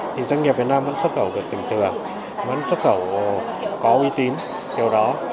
thì doanh nghiệp việt nam vẫn xuất khẩu được bình thừa vẫn xuất khẩu có uy tín điều đó